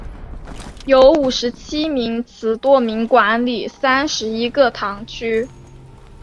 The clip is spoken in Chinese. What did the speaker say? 由五十七名司铎名管理三十一个堂区。